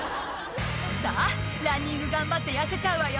「さぁランニング頑張って痩せちゃうわよ」